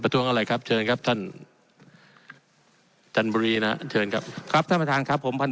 ที่ฝั่งมารีนาขี้เรียนครับท่านมาทางครับผม